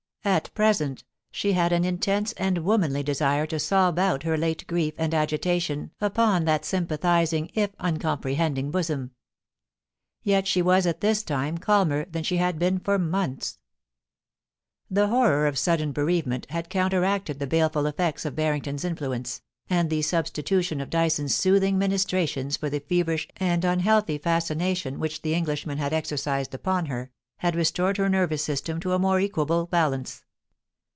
At present she had an intense and womanly desire to sob out her late grief and agitation upon that sympathising if uncom prehending bosom. Yet she was at this time calmer than she had been for months. The horror of sudden bereavement had counteracted the baleful effects of Barrington's influence, and the substitution of Dyson's soothing ministrations for the feverish and un healthy fascination which the Englishman had exercised upon her, had restored her nervous system to a more equable balance.